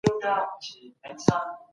خواري غریبي کوله